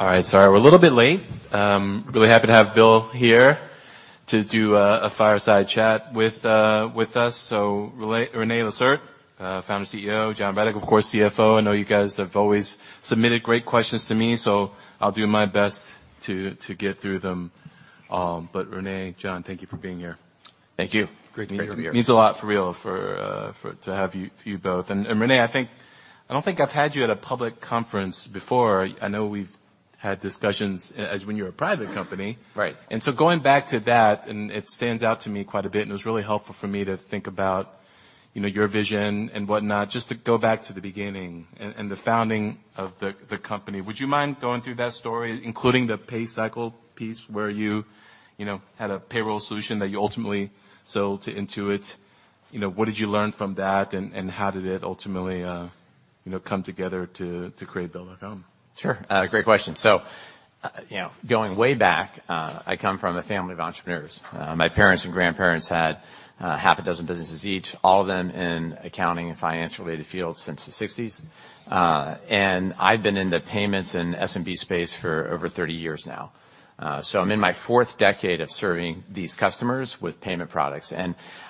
All right. Sorry we're a little bit late. Really happy to have BILL here to do a fireside chat with us. René Lacerte, Founder, CEO, John Rettig, of course, CFO. I know you guys have always submitted great questions to me, so I'll do my best to get through them. René, John, thank you for being here. Thank you. Great to be here. Means a lot, for real, to have you both. René, I don't think I've had you at a public conference before. I know we've had discussions as when you're a private company. Right. Going back to that, and it stands out to me quite a bit, and it was really helpful for me to think about, you know, your vision and whatnot, just to go back to the beginning and the founding of the company. Would you mind going through that story, including the PayCycle piece where you know, had a payroll solution that you ultimately sold to Intuit? You know, what did you learn from that, and how did it ultimately, you know, come together to create Bill.com? Sure. Great question. You know, going way back, I come from a family of entrepreneurs. My parents and grandparents had half a dozen businesses each, all of them in accounting and finance-related fields since the sixties. I've been in the payments and SMB space for over 30 years now. I'm in my fourth decade of serving these customers with payment products.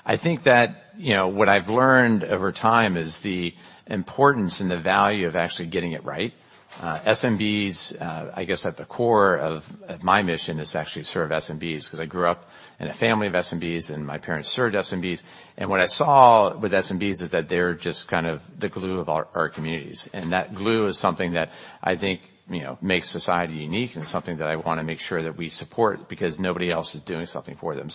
I think that, you know, what I've learned over time is the importance and the value of actually getting it right. SMBs, I guess at the core of my mission is to actually serve SMBs, 'cause I grew up in a family of SMBs, and my parents served SMBs. What I saw with SMBs is that they're just kind of the glue of our communities. That glue is something that I think, you know, makes society unique and something that I wanna make sure that we support because nobody else is doing something for them.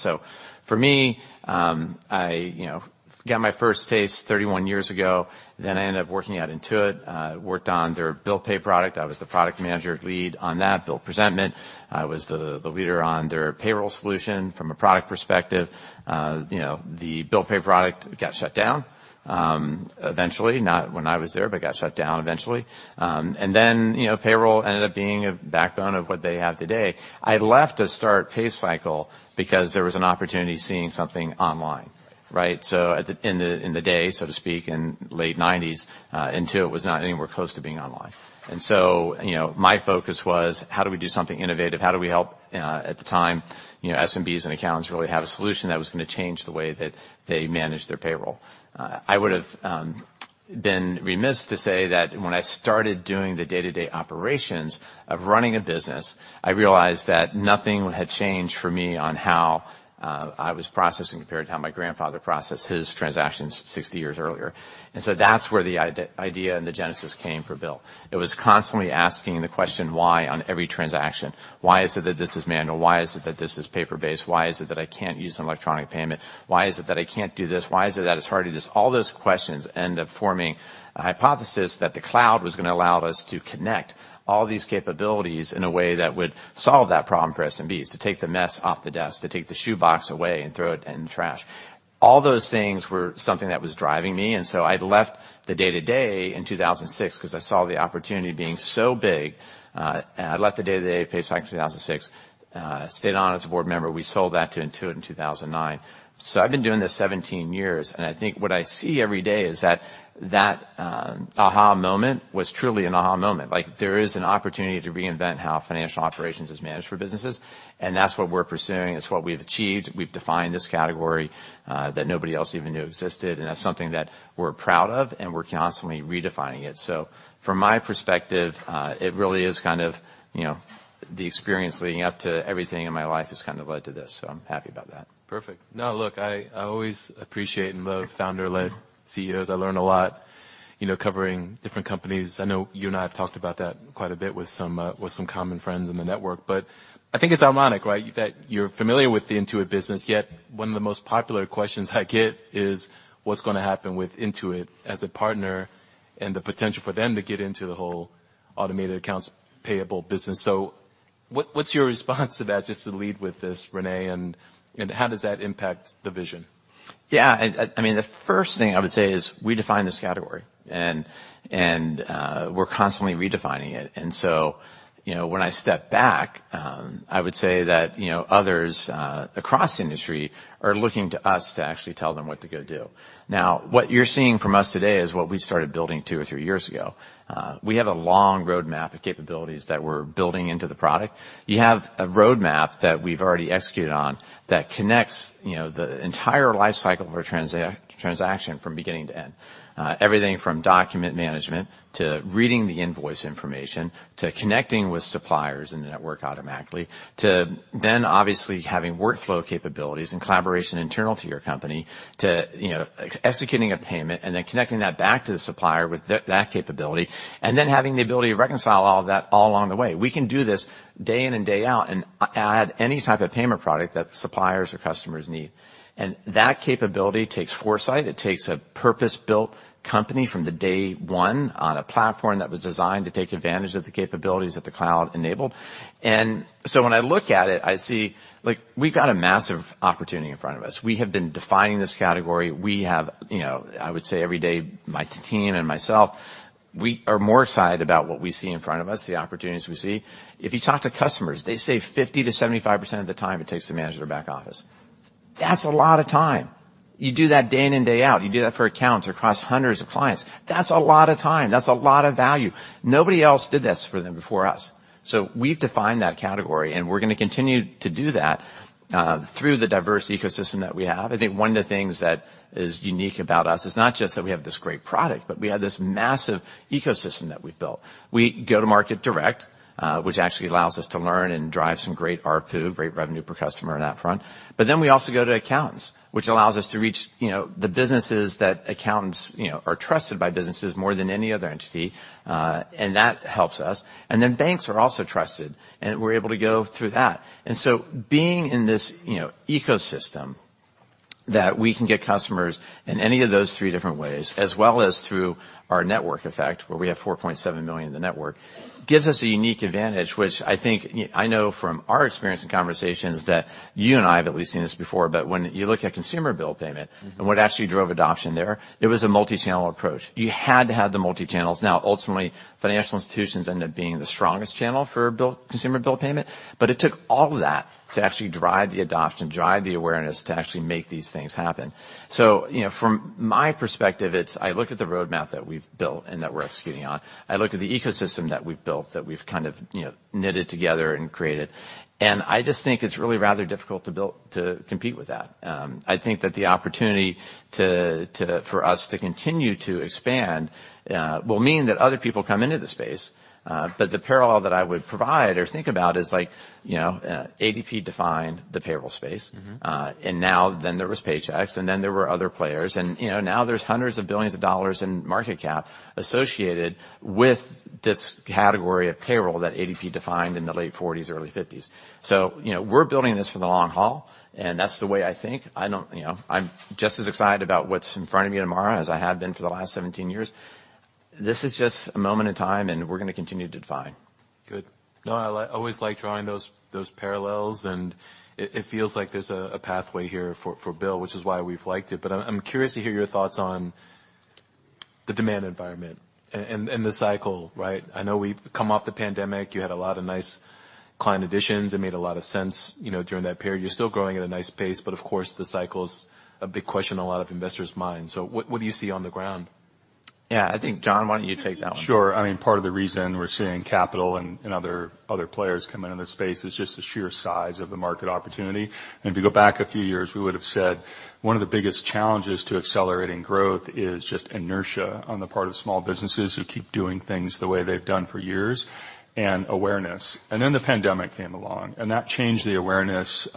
For me, I, you know, got my first taste 31 years ago, then I ended up working at Intuit, worked on their bill pay product. I was the product manager lead on that bill presentment. I was the leader on their payroll solution from a product perspective. You know, the bill pay product got shut down eventually. Not when I was there, but it got shut down eventually. You know, payroll ended up being a backbone of what they have today. I left to start PayCycle because there was an opportunity seeing something online, right? In the day, so to speak, in late 1990s, Intuit was not anywhere close to being online. You know, my focus was, how do we do something innovative? How do we help, at the time, you know, SMBs and accountants really have a solution that was gonna change the way that they manage their payroll? I would've been remiss to say that when I started doing the day-to-day operations of running a business, I realized that nothing had changed for me on how I was processing compared to how my grandfather processed his transactions 60 years earlier. That's where the idea and the genesis came for BILL. It was constantly asking the question why on every transaction. Why is it that this is manual? Why is it that this is paper-based? Why is it that I can't use an electronic payment? Why is it that I can't do this? Why is it that it's hard to do this? All those questions end up forming a hypothesis that the cloud was gonna allow us to connect all these capabilities in a way that would solve that problem for SMBs, to take the mess off the desk, to take the shoe box away and throw it in the trash. All those things were something that was driving me, and so I left the day-to-day in 2006 'cause I saw the opportunity being so big. I left the day-to-day at PayCycle in 2006. Stayed on as a board member. We sold that to Intuit in 2009. I've been doing this 17 years, and I think what I see every day is that that aha moment was truly an aha moment. Like, there is an opportunity to reinvent how financial operations is managed for businesses, and that's what we're pursuing. It's what we've achieved. We've defined this category that nobody else even knew existed, and that's something that we're proud of, and we're constantly redefining it. From my perspective, it really is kind of, you know, the experience leading up to everything in my life has kind of led to this, so I'm happy about that. Perfect. Look, I always appreciate and love founder-led CEOs. I learn a lot, you know, covering different companies. I know you and I have talked about that quite a bit with some, with some common friends in the network. I think it's ironic, right? That you're familiar with the Intuit business, yet one of the most popular questions I get is what's gonna happen with Intuit as a partner and the potential for them to get into the whole automated accounts payable business. What's your response to that, just to lead with this, René, and how does that impact the vision? Yeah. I mean, the first thing I would say is we define this category and we're constantly redefining it. You know, when I step back, I would say that, you know, others across industry are looking to us to actually tell them what to go do. Now, what you're seeing from us today is what we started building two or three years ago. We have a long roadmap of capabilities that we're building into the product. You have a roadmap that we've already executed on that connects, you know, the entire life cycle of a transaction from beginning to end. Everything from document management to reading the invoice information, to connecting with suppliers in the network automatically, to then obviously having workflow capabilities and collaboration internal to your company to, you know, executing a payment and then connecting that back to the supplier with that capability, and then having the ability to reconcile all of that all along the way. We can do this day in and day out and add any type of payment product that suppliers or customers need. That capability takes foresight. It takes a purpose-built company from the day one on a platform that was designed to take advantage of the capabilities that the cloud enabled. When I look at it, I see, like, we've got a massive opportunity in front of us. We have been defining this category. We have, you know, I would say every day, my team and myself, we are more excited about what we see in front of us, the opportunities we see. If you talk to customers, they say 50%-75% of the time it takes to manage their back office. That's a lot of time. You do that day in and day out. You do that for accounts across hundreds of clients. That's a lot of time. That's a lot of value. Nobody else did this for them before us. We've defined that category, and we're gonna continue to do that through the diverse ecosystem that we have. I think one of the things that is unique about us is not just that we have this great product, but we have this massive ecosystem that we've built. We go to market direct, which actually allows us to learn and drive some great ARPU, great revenue per customer on that front. We also go to accountants, which allows us to reach, you know, the businesses that accountants, you know, are trusted by businesses more than any other entity, and that helps us. Banks are also trusted, and we're able to go through that. Being in this, you know, ecosystem that we can get customers in any of those three different ways, as well as through our network effect, where we have 4.7 million in the network, gives us a unique advantage, which I think, I know from our experience and conversations that you and I have at least seen this before, when you look at consumer bill payment. What actually drove adoption there, it was a multi-channel approach. You had to have the multi-channels. Ultimately, financial institutions end up being the strongest channel for consumer bill payment, but it took all of that to actually drive the adoption, drive the awareness to actually make these things happen. You know, from my perspective, it's I look at the roadmap that we've built and that we're executing on. I look at the ecosystem that we've built, that we've kind of, you know, knitted together and created, and I just think it's really rather difficult to compete with that. I think that the opportunity for us to continue to expand will mean that other people come into the space. The parallel that I would provide or think about is like, you know, ADP defined the payroll space. Now then there was Paychex, and then there were other players. You know, now there's hundreds of billions of dollars in market cap associated with this category of payroll that ADP defined in the late 1940s, early 1950s. You know, we're building this for the long haul, and that's the way I think. You know, I'm just as excited about what's in front of me tomorrow as I have been for the last 17 years. This is just a moment in time, and we're going to continue to define. Good. No, I always like drawing those parallels, and it feels like there's a pathway here for BILL, which is why we've liked it. I'm curious to hear your thoughts on the demand environment and the cycle, right? I know we've come off the pandemic. You had a lot of nice client additions that made a lot of sense, you know, during that period. You're still growing at a nice pace, but of course, the cycle's a big question on a lot of investors' minds. What do you see on the ground? Yeah. I think, John, why don't you take that one? Sure. I mean, part of the reason we're seeing capital and other players come into this space is just the sheer size of the market opportunity. If you go back a few years, we would have said one of the biggest challenges to accelerating growth is just inertia on the part of small businesses who keep doing things the way they've done for years, and awareness. The pandemic came along, and that changed the awareness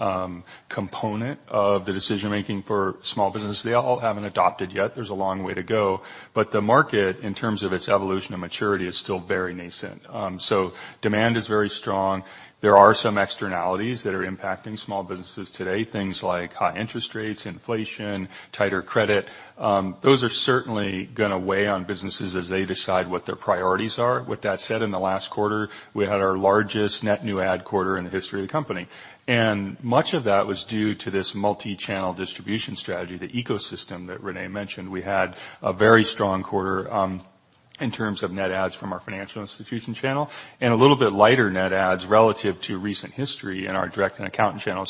component of the decision-making for small businesses. They all haven't adopted yet. There's a long way to go. The market, in terms of its evolution and maturity, is still very nascent. Demand is very strong. There are some externalities that are impacting small businesses today, things like high interest rates, inflation, tighter credit, those are certainly gonna weigh on businesses as they decide what their priorities are. With that said, in the last quarter, we had our largest net new adds quarter in the history of the company. Much of that was due to this multi-channel distribution strategy, the ecosystem that René mentioned. We had a very strong quarter in terms of net adds from our financial institution channel, and a little bit lighter net adds relative to recent history in our direct and accountant channel.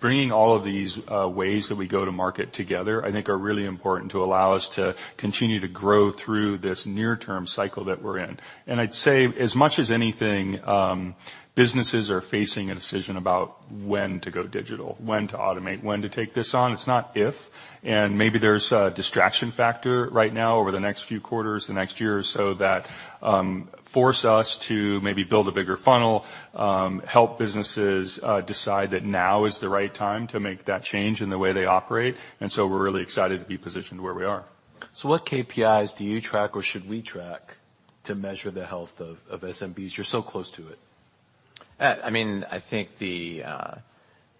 Bringing all of these ways that we go to market together, I think are really important to allow us to continue to grow through this near-term cycle that we're in. I'd say, as much as anything, businesses are facing a decision about when to go digital, when to automate, when to take this on. It's not if. Maybe there's a distraction factor right now over the next few quarters, the next year or so that force us to maybe build a bigger funnel, help businesses decide that now is the right time to make that change in the way they operate. So we're really excited to be positioned where we are. What KPIs do you track or should we track to measure the health of SMBs? You're so close to it. I mean, I think the,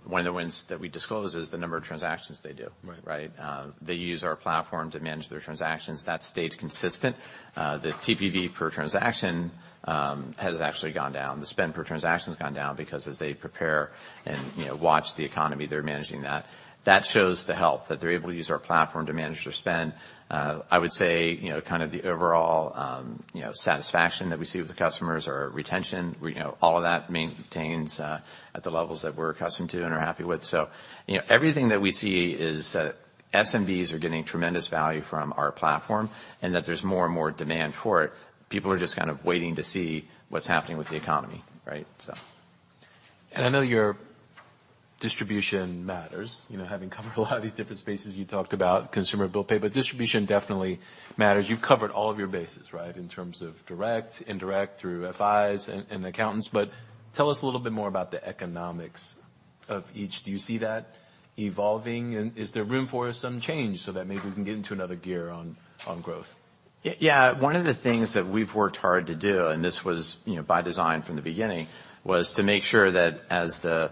one of the wins that we disclose is the number of transactions they do. Right. Right? They use our platform to manage their transactions. That stayed consistent. The TPV per transaction has actually gone down. The spend per transaction's gone down because as they prepare and, you know, watch the economy, they're managing that. That shows the health, that they're able to use our platform to manage their spend. I would say, you know, kind of the overall, you know, satisfaction that we see with the customers or retention, you know, all of that maintains at the levels that we're accustomed to and are happy with. You know, everything that we see is that SMBs are getting tremendous value from our platform and that there's more and more demand for it. People are just kind of waiting to see what's happening with the economy, right? I know your distribution matters, you know, having covered a lot of these different spaces you talked about, consumer bill pay, but distribution definitely matters. You've covered all of your bases, right, in terms of direct, indirect, through FIs and accountants. Tell us a little bit more about the economics of each. Do you see that evolving? Is there room for some change so that maybe we can get into another gear on growth? Yeah. One of the things that we've worked hard to do, and this was, you know, by design from the beginning, was to make sure that as the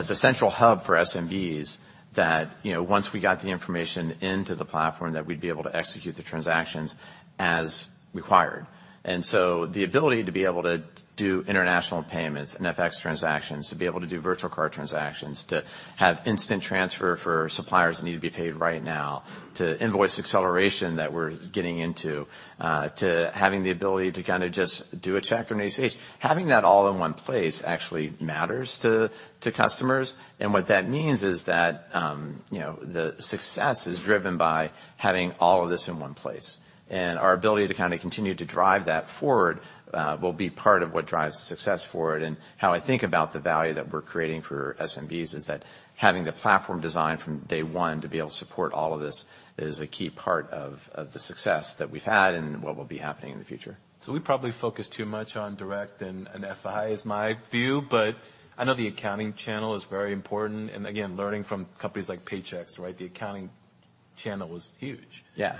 central hub for SMBs, that, you know, once we got the information into the platform, that we'd be able to execute the transactions as required. The ability to be able to do international payments and FX transactions, to be able to do virtual card transactions, to have Instant Transfer for suppliers that need to be paid right now, to invoice acceleration that we're getting into, to having the ability to kinda just do a check from any stage. Having that all in one place actually matters to. To customers. What that means is that, you know, the success is driven by having all of this in one place. Our ability to kind of continue to drive that forward will be part of what drives success forward. How I think about the value that we're creating for SMBs is that having the platform design from day one to be able to support all of this is a key part of the success that we've had and what will be happening in the future. We probably focus too much on direct and FI is my view, but I know the accounting channel is very important. Again, learning from companies like Paychex, right? The accounting channel is huge. Yeah.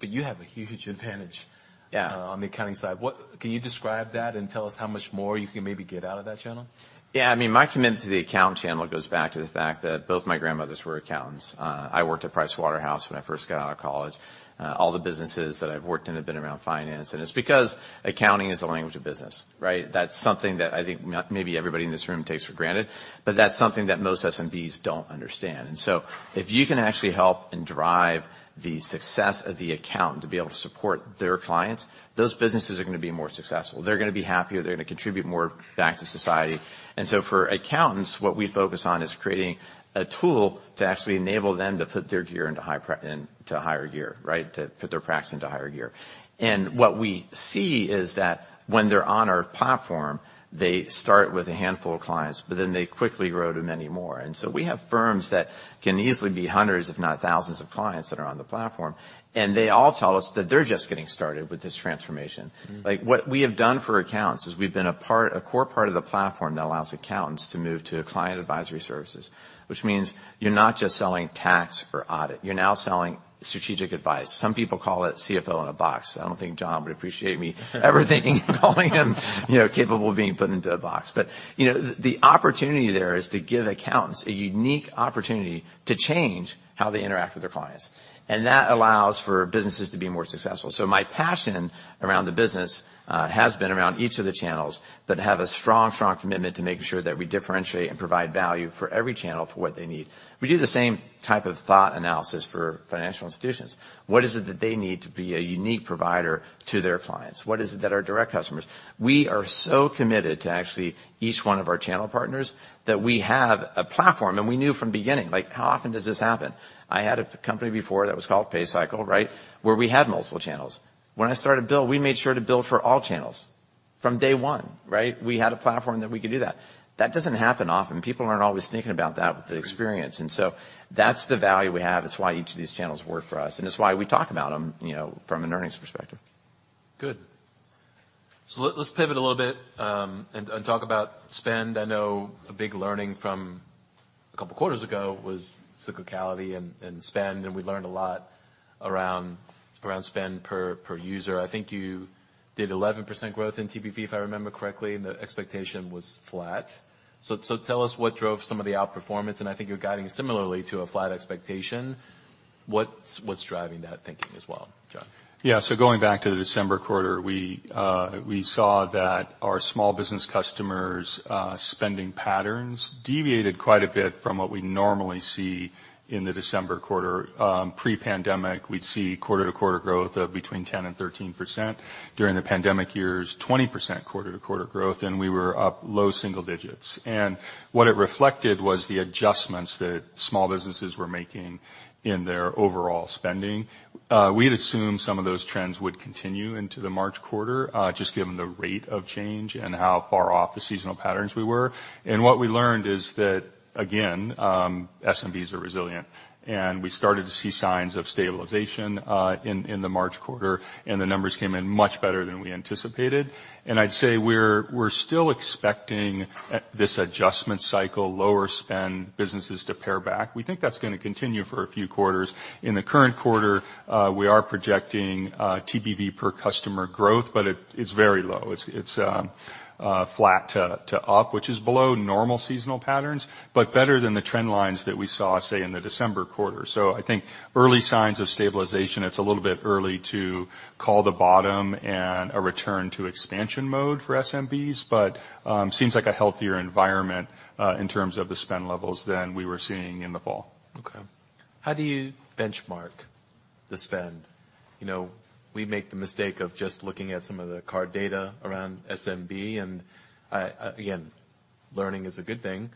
You have a huge advantage. Yeah. On the accounting side. Can you describe that and tell us how much more you can maybe get out of that channel? Yeah. I mean, my commitment to the account channel goes back to the fact that both my grandmothers were accountants. I worked at PricewaterhouseCoopers when I first got out of college. All the businesses that I've worked in have been around finance, and it's because accounting is the language of business, right? That's something that I think maybe everybody in this room takes for granted, but that's something that most SMBs don't understand. If you can actually help and drive the success of the accountant to be able to support their clients, those businesses are gonna be more successful. They're gonna be happier, they're gonna contribute more back to society. For accountants, what we focus on is creating a tool to actually enable them to put their gear into higher gear, right? To put their practice into higher gear. What we see is that when they're on our platform, they start with a handful of clients, but then they quickly grow to many more. We have firms that can easily be hundreds, if not thousands of clients that are on the platform, and they all tell us that they're just getting started with this transformation. What we have done for accountants is we've been a part, a core part of the platform that allows accountants to move to Client Advisory Services, which means you're not just selling tax for audit, you're now selling strategic advice. Some people call it CFO in a Box. I don't think John would appreciate me ever thinking calling him, you know, capable of being put into a box. You know, the opportunity there is to give accountants a unique opportunity to change how they interact with their clients, and that allows for businesses to be more successful. My passion around the business has been around each of the channels that have a strong commitment to making sure that we differentiate and provide value for every channel for what they need. We do the same type of thought analysis for financial institutions. What is it that they need to be a unique provider to their clients? What is it that our direct customers. We are so committed to actually each one of our channel partners that we have a platform, and we knew from beginning, like, how often does this happen? I had a company before that was called PayCycle, right? Where we had multiple channels. When I started BILL, we made sure to build for all channels from day one, right? We had a platform that we could do that. That doesn't happen often. People aren't always thinking about that with the experience. That's the value we have. It's why each of these channels work for us, and it's why we talk about them, you know, from an earnings perspective. Good. Let's pivot a little bit and talk about spend. I know a big learning from a couple quarters ago was cyclicality and spend, and we learned a lot around spend per user. I think you did 11% growth in TPV, if I remember correctly, and the expectation was flat. Tell us what drove some of the outperformance, and I think you're guiding similarly to a flat expectation. What's driving that thinking as well, John? Yeah. Going back to the December quarter, we saw that our small business customers' spending patterns deviated quite a bit from what we normally see in the December quarter. Pre-pandemic, we'd see quarter-to-quarter growth of between 10% and 13%. During the pandemic years, 20% quarter-to-quarter growth, and we were up low single digits. What it reflected was the adjustments that small businesses were making in their overall spending. We had assumed some of those trends would continue into the March quarter, just given the rate of change and how far off the seasonal patterns we were. What we learned is that, again, SMBs are resilient, and we started to see signs of stabilization in the March quarter, and the numbers came in much better than we anticipated. I'd say we're still expecting this adjustment cycle, lower spend businesses to pare back. We think that's gonna continue for a few quarters. In the current quarter, we are projecting TPV per customer growth, but it's very low. It's flat to up, which is below normal seasonal patterns, but better than the trend lines that we saw, say, in the December quarter. I think early signs of stabilization, it's a little bit early to call the bottom and a return to expansion mode for SMBs, but seems like a healthier environment in terms of the spend levels than we were seeing in the fall. Okay. How do you benchmark the spend? You know, we make the mistake of just looking at some of the card data around SMB and again, learning is a good thing.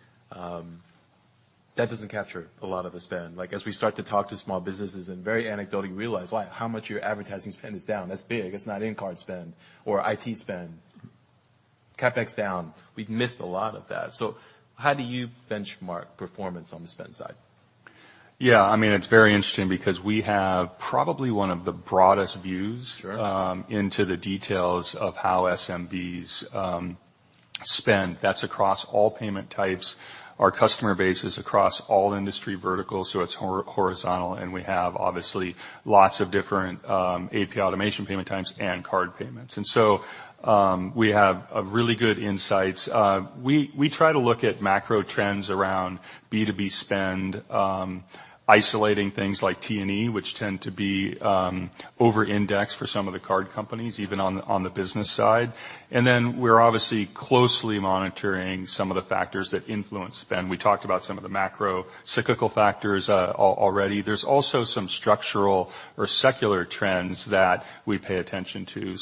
That doesn't capture a lot of the spend. Like, as we start to talk to small businesses and very anecdotally realize like how much your advertising spend is down, that's big. It's not in card spend or IT spend. CapEx down. We've missed a lot of that. How do you benchmark performance on the spend side? Yeah, I mean, it's very interesting because we have probably one of the broadest views. Sure. Into the details of how SMBs spend. That's across all payment types. Our customer base is across all industry verticals, so it's horizontal, and we have, obviously, lots of different AP automation payment types and card payments. We have really good insights. We try to look at macro trends around B2B spend, isolating things like T&E, which tend to be over-indexed for some of the card companies, even on the business side. Then we're obviously closely monitoring some of the factors that influence spend. We talked about some of the macro cyclical factors already. There's also some structural or secular trends that we pay attention to.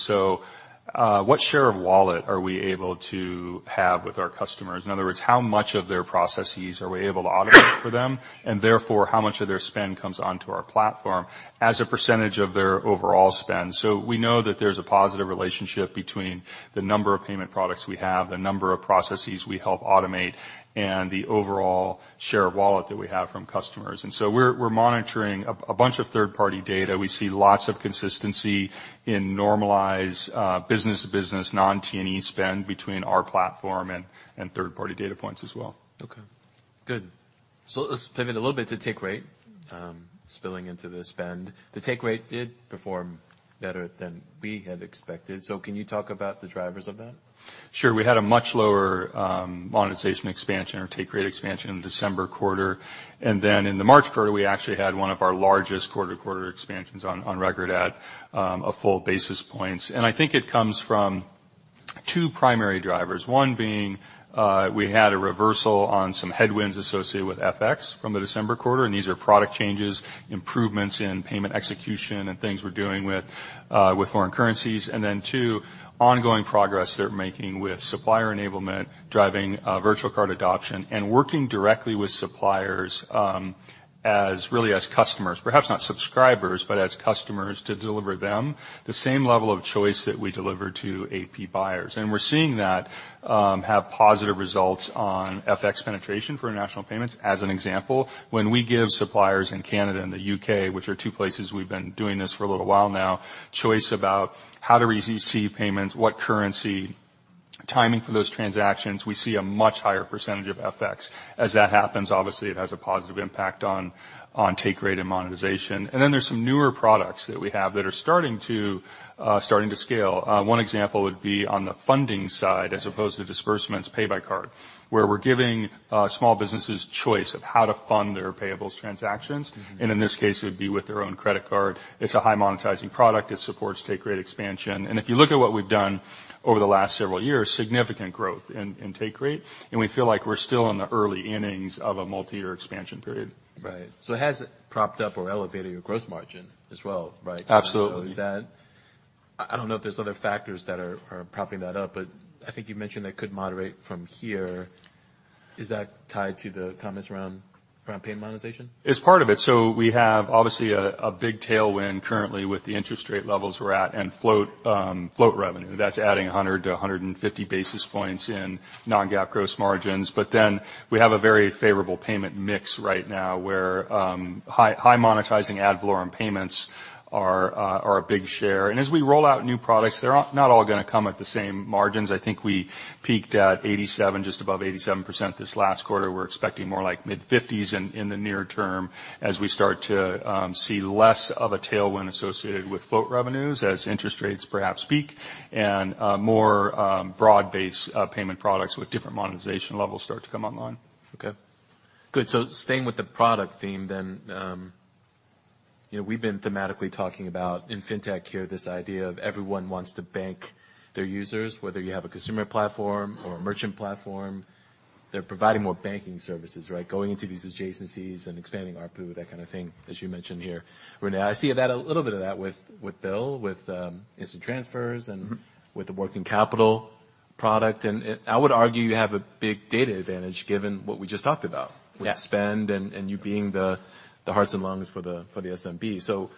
What share of wallet are we able to have with our customers? In other words, how much of their processes are we able to automate for them? Therefore, how much of their spend comes onto our platform as a percentage of their overall spend. We know that there's a positive relationship between the number of payment products we have, the number of processes we help automate, and the overall share of wallet that we have from customers. We're monitoring a bunch of third-party data. We see lots of consistency in normalized business-to-business non-T&E spend between our platform and third-party data points as well. Good. Let's pivot a little bit to take rate, spilling into the spend. The take rate did perform better than we had expected. Can you talk about the drivers of that? Sure. We had a much lower monetization expansion or take rate expansion in December quarter. In the March quarter, we actually had one of our largest quarter-to-quarter expansions on record at a full basis points. I think it comes from two primary drivers. One being, we had a reversal on some headwinds associated with FX from the December quarter, and these are product changes, improvements in payment execution and things we're doing with foreign currencies. Two, ongoing progress they're making with supplier enablement, driving virtual card adoption, and working directly with suppliers, as really as customers. Perhaps not subscribers, but as customers to deliver them the same level of choice that we deliver to AP buyers. We're seeing that have positive results on FX penetration for international payments. As an example, when we give suppliers in Canada and the UK, which are two places we've been doing this for a little while now, choice about how to receive payments, what currency, timing for those transactions, we see a much higher percentage of FX. As that happens, obviously, it has a positive impact on take rate and monetization. Then there's some newer products that we have that are starting to scale. One example would be on the funding side as opposed to disbursements Pay By Card, where we're giving small businesses choice of how to fund their payables transactions. In this case, it would be with their own credit card. It's a high monetizing product. It supports take rate expansion. If you look at what we've done over the last several years, significant growth in take rate, and we feel like we're still in the early innings of a multi-year expansion period. Right. It has propped up or elevated your gross margin as well, right? Absolutely. I don't know if there's other factors that are propping that up, but I think you mentioned that could moderate from here. Is that tied to the comments around payment monetization? It's part of it. We have obviously a big tailwind currently with the interest rate levels we're at and float revenue. That's adding 100-150 basis points in non-GAAP gross margins. We have a very favorable payment mix right now where high monetizing ad valorem payments are a big share. As we roll out new products, they're not all gonna come at the same margins. I think we peaked at 87%, just above 87% this last quarter. We're expecting more like mid-50s in the near term as we start to see less of a tailwind associated with float revenues as interest rates perhaps peak and more broad-based payment products with different monetization levels start to come online. Okay. Good. Staying with the product theme then, you know, we've been thematically talking about in fintech here, this idea of everyone wants to bank their users, whether you have a consumer platform or a merchant platform, they're providing more banking services, right? Going into these adjacencies and expanding ARPU, that kind of thing, as you mentioned here. René, I see that a little bit of that with BILL, with Instant Transfers and With the working capital product. I would argue you have a big data advantage given what we just talked about. Yeah. With spend and you being the hearts and lungs for the SMB.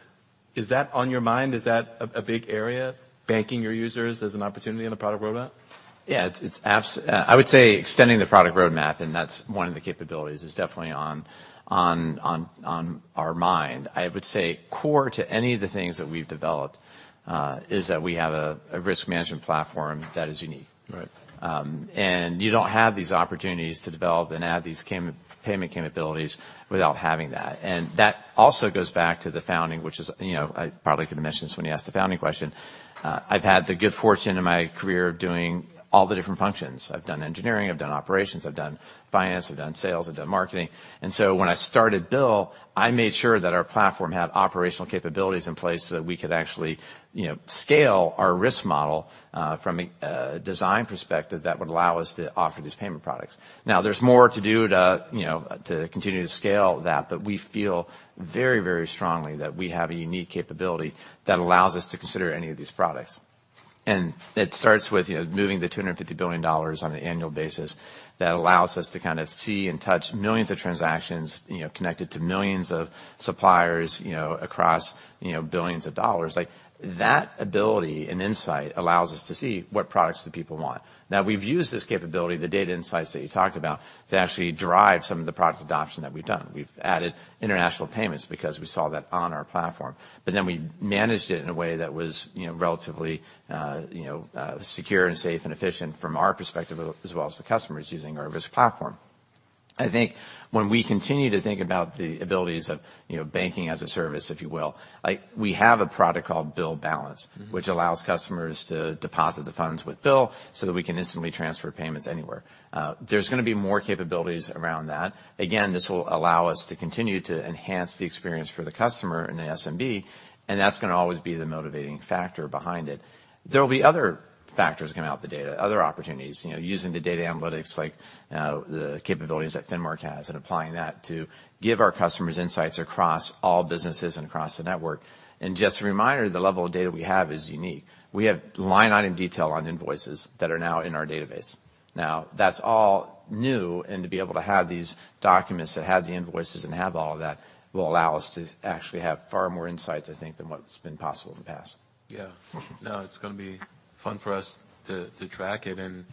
Is that on your mind? Is that a big area, banking your users as an opportunity in the product roadmap? Yeah, it's, I would say extending the product roadmap, and that's one of the capabilities, is definitely on our mind. I would say core to any of the things that we've developed, is that we have a risk management platform that is unique. Right. And you don't have these opportunities to develop and add these payment capabilities without having that. That also goes back to the founding, which is, you know, I probably could have mentioned this when you asked the founding question. I've had the good fortune in my career of doing all the different functions. I've done engineering, I've done operations, I've done finance, I've done sales, I've done marketing. When I started BILL, I made sure that our platform had operational capabilities in place so that we could actually, you know, scale our risk model, from a design perspective that would allow us to offer these payment products. There's more to do to, you know, to continue to scale that, but we feel very, very strongly that we have a unique capability that allows us to consider any of these products. It starts with, you know, moving the $250 billion on an annual basis that allows us to kind of see and touch millions of transactions, you know, connected to millions of suppliers, you know, across, you know, billions of dollars. Like, that ability and insight allows us to see what products do people want. We've used this capability, the data insights that you talked about, to actually drive some of the product adoption that we've done. We've added international payments because we saw that on our platform, but then we managed it in a way that was, you know, relatively, you know, secure and safe and efficient from our perspective, as well as the customers using our risk platform. I think when we continue to think about the abilities of, you know, Banking as a Service, if you will, like, we have a product called BILL balance which allows customers to deposit the funds with BILL so that we can instantly transfer payments anywhere. There's gonna be more capabilities around that. Again, this will allow us to continue to enhance the experience for the customer and the SMB, and that's gonna always be the motivating factor behind it. There will be other factors coming out of the data, other opportunities, you know, using the data analytics like the capabilities that Finmark has and applying that to give our customers insights across all businesses and across the network. Just a reminder, the level of data we have is unique. We have line item detail on invoices that are now in our database. That's all new, and to be able to have these documents that have the invoices and have all of that will allow us to actually have far more insights, I think, than what's been possible in the past. Yeah. No, it's gonna be fun for us to track it, and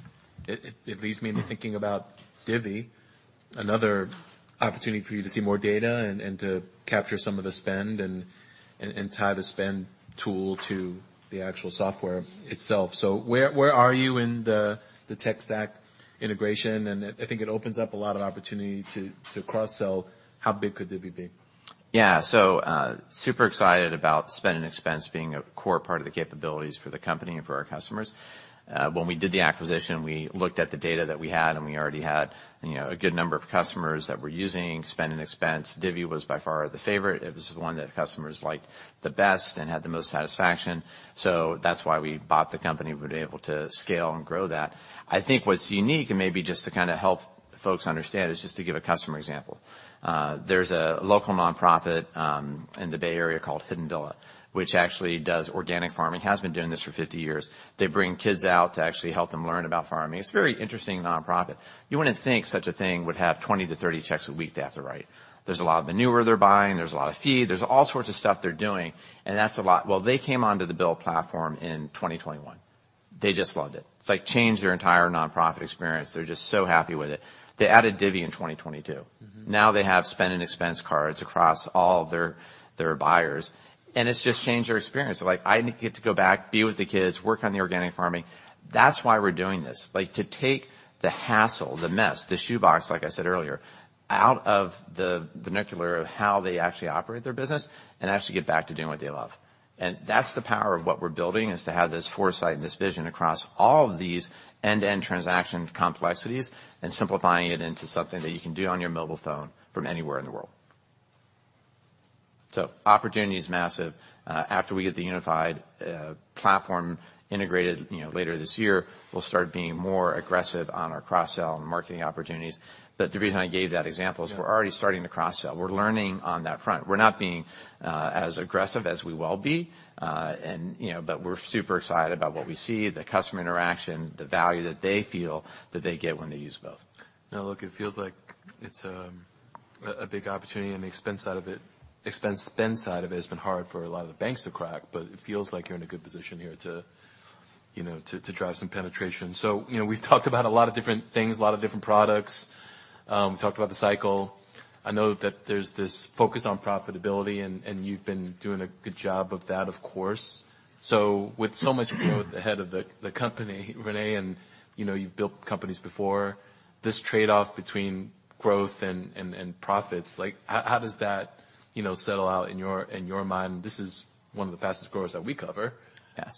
it leads me into thinking about Divvy, Opportunity for you to see more data and to capture some of the spend and tie the spend tool to the actual software itself. Where are you in the tech stack integration? I think it opens up a lot of opportunity to cross-sell. How big could Divvy be? Super excited about spend and expense being a core part of the capabilities for the company and for our customers. When we did the acquisition, we looked at the data that we had, and we already had, you know, a good number of customers that were using spend and expense. Divvy was by far the favorite. It was the one that customers liked the best and had the most satisfaction. That's why we bought the company. We're able to scale and grow that. I think what's unique, and maybe just to kinda help folks understand, is just to give a customer example. There's a local nonprofit in the Bay Area called Hidden Villa, which actually does organic farming, has been doing this for 50 years. They bring kids out to actually help them learn about farming. It's a very interesting nonprofit. You wouldn't think such a thing would have 20-30 checks a week they have to write. There's a lot of manure they're buying, there's a lot of feed, there's all sorts of stuff they're doing, and that's a lot. Well, they came onto the BILL platform in 2021. They just loved it. It's, like, changed their entire nonprofit experience. They're just so happy with it. They added Divvy in 2022. Now they have spend and expense cards across all of their buyers, and it's just changed their experience. They're like, "I get to go back, be with the kids, work on the organic farming." That's why we're doing this. Like, to take the hassle, the mess, the shoebox, like I said earlier, out of the vernacular of how they actually operate their business and actually get back to doing what they love. That's the power of what we're building, is to have this foresight and this vision across all of these end-to-end transaction complexities and simplifying it into something that you can do on your mobile phone from anywhere in the world. Opportunity is massive. After we get the unified platform integrated, you know, later this year, we'll start being more aggressive on our cross-sell and marketing opportunities. The reason I gave that example is we're already starting to cross-sell. We're learning on that front. We're not being as aggressive as we will be, and, you know. We're super excited about what we see, the customer interaction, the value that they feel that they get when they use both. Look, it feels like it's a big opportunity on the expense side of it. Expense spend side of it has been hard for a lot of the banks to crack, but it feels like you're in a good position here to, you know, to drive some penetration. You know, we've talked about a lot of different things, a lot of different products. We talked about the cycle. I know that there's this focus on profitability, and you've been doing a good job of that, of course. With so much growth ahead of the company, René, and, you know, you've built companies before, this trade-off between growth and profits, like, how does that, you know, settle out in your, in your mind? This is one of the fastest growers that we cover. Yeah.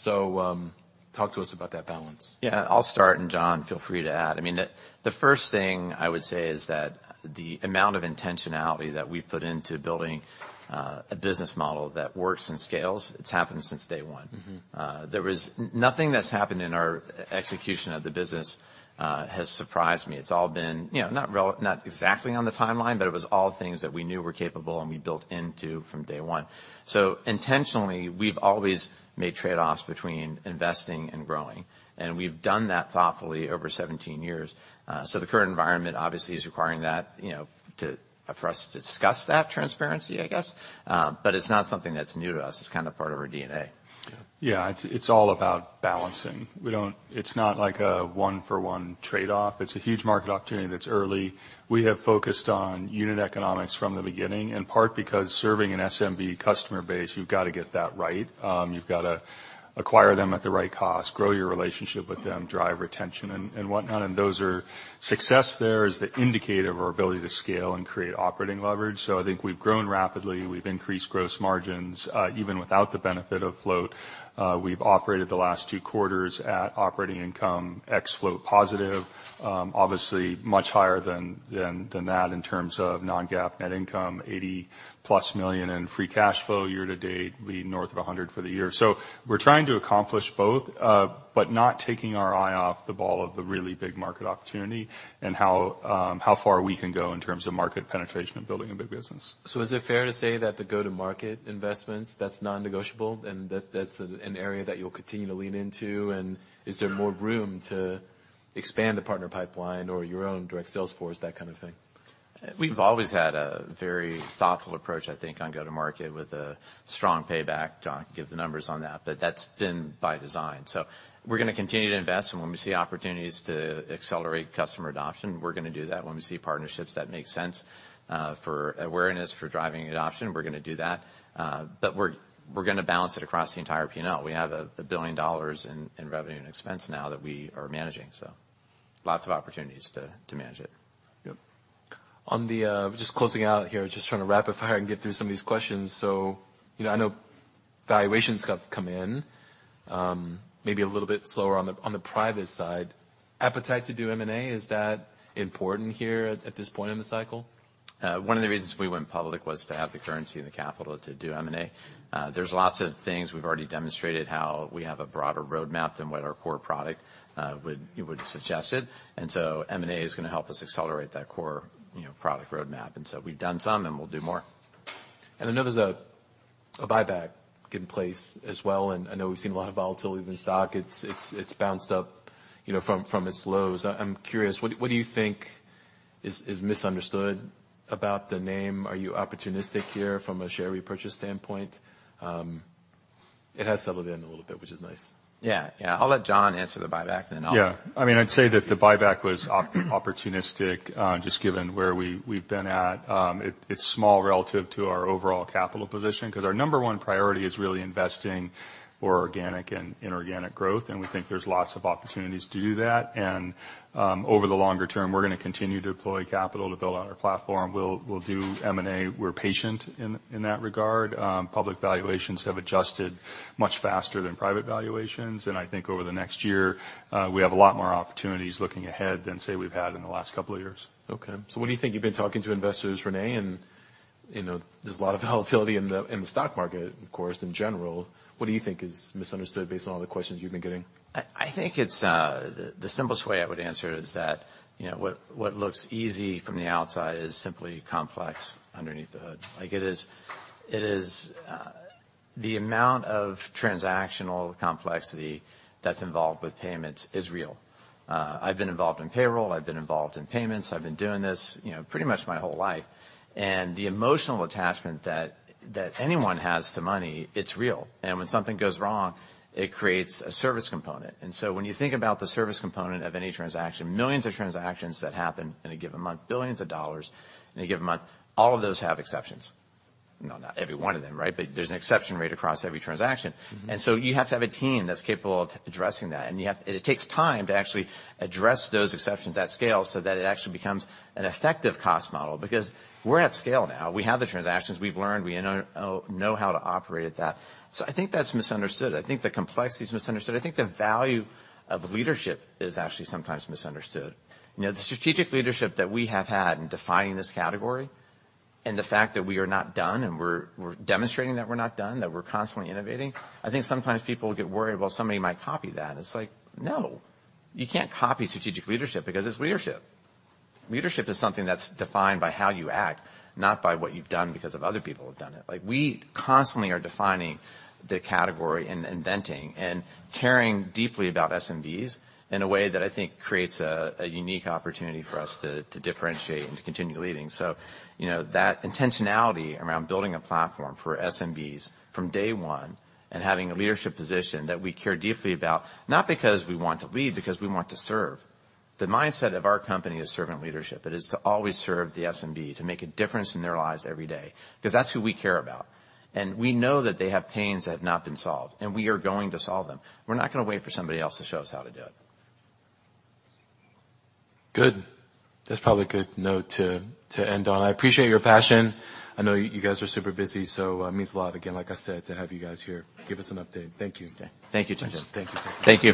Talk to us about that balance. Yeah, I'll start, and John, feel free to add. I mean, the first thing I would say is that the amount of intentionality that we've put into building a business model that works and scales, it's happened since day one. There was nothing that's happened in our execution of the business, has surprised me. It's all been, you know, not exactly on the timeline, but it was all things that we knew were capable and we built into from day one. Intentionally, we've always made trade-offs between investing and growing, and we've done that thoughtfully over 17 years. The current environment obviously is requiring that, you know, for us to discuss that transparency, I guess. It's not something that's new to us. It's kind of part of our DNA. Yeah. It's all about balancing. It's not like a one-for-one trade-off. It's a huge market opportunity that's early. We have focused on unit economics from the beginning, in part because serving an SMB customer base, you've gotta get that right. You've gotta acquire them at the right cost, grow your relationship with them, drive retention and whatnot. Success there is the indicator of our ability to scale and create operating leverage. I think we've grown rapidly. We've increased gross margins, even without the benefit of Float. We've operated the last Q2 at operating income ex Float positive. Obviously much higher than that in terms of non-GAAP net income, $80+ million in free cash flow year to date, leading north of 100 for the year. We're trying to accomplish both, but not taking our eye off the ball of the really big market opportunity and how far we can go in terms of market penetration and building a big business. Is it fair to say that the go-to-market investments, that's non-negotiable, and that that's an area that you'll continue to lean into? Is there more room to expand the partner pipeline or your own direct sales force, that kind of thing? We've always had a very thoughtful approach, I think, on go-to-market with a strong payback. John can give the numbers on that, but that's been by design. We're gonna continue to invest, and when we see opportunities to accelerate customer adoption, we're gonna do that. When we see partnerships that make sense, for awareness, for driving adoption, we're gonna do that. We're gonna balance it across the entire P&L. We have a $1 billion in revenue and expense now that we are managing, lots of opportunities to manage it. Yep. On the... Just closing out here. Just trying to rapid fire and get through some of these questions. You know, I know valuations have come in, maybe a little bit slower on the, on the private side. Appetite to do M&A, is that important here at this point in the cycle? One of the reasons we went public was to have the currency and the capital to do M&A. There's lots of things. We've already demonstrated how we have a broader roadmap than what our core product would've suggested. M&A is gonna help us accelerate that core, you know, product roadmap. We've done some, and we'll do more. I know there's a buyback in place as well, and I know we've seen a lot of volatility in the stock. It's bounced up, you know, from its lows. I'm curious, what do you think is misunderstood about the name? Are you opportunistic here from a share repurchase standpoint? It has settled in a little bit, which is nice. Yeah, yeah. I'll let John answer the buyback, then I'll- Yeah. I mean, I'd say that the buyback was opportunistic, just given where we've been at. It's small relative to our overall capital position 'cause our number one priority is really investing for organic and inorganic growth, and we think there's lots of opportunities to do that. Over the longer term, we're gonna continue to deploy capital to build on our platform. We'll do M&A. We're patient in that regard. Public valuations have adjusted much faster than private valuations, and I think over the next year, we have a lot more opportunities looking ahead than, say, we've had in the last couple of years. Okay. What do you think you've been talking to investors, René? You know, there's a lot of volatility in the stock market, of course, in general. What do you think is misunderstood based on all the questions you've been getting? I think it's the simplest way I would answer it is that, you know, what looks easy from the outside is simply complex underneath the hood. Like it is. The amount of transactional complexity that's involved with payments is real. I've been involved in payroll, I've been involved in payments, I've been doing this, you know, pretty much my whole life, and the emotional attachment that anyone has to money, it's real. When something goes wrong, it creates a service component. When you think about the service component of any transaction, millions of transactions that happen in a given month, billions of dollars in a given month, all of those have exceptions. No, not every one of them, right? There's an exception rate across every transaction. You have to have a team that's capable of addressing that. It takes time to actually address those exceptions at scale so that it actually becomes an effective cost model. We're at scale now. We have the transactions. We've learned. We know how to operate at that. I think that's misunderstood. I think the complexity is misunderstood. I think the value of leadership is actually sometimes misunderstood. You know, the strategic leadership that we have had in defining this category and the fact that we are not done and we're demonstrating that we're not done, that we're constantly innovating, I think sometimes people get worried, well, somebody might copy that. It's like, no, you can't copy strategic leadership because it's leadership. Leadership is something that's defined by how you act, not by what you've done because of other people have done it. Like, we constantly are defining the category and inventing and caring deeply about SMBs in a way that I think creates a unique opportunity for us to differentiate and to continue leading. You know, that intentionality around building a platform for SMBs from day one and having a leadership position that we care deeply about, not because we want to lead, because we want to serve. The mindset of our company is servant leadership. It is to always serve the SMB, to make a difference in their lives every day, because that's who we care about. We know that they have pains that have not been solved, and we are going to solve them. We're not gonna wait for somebody else to show us how to do it. Good. That's probably a good note to end on. I appreciate your passion. I know you guys are super busy, so it means a lot, again, like I said, to have you guys here give us an update. Thank you. Okay. Thank you, Tien. Thank you. Thank you.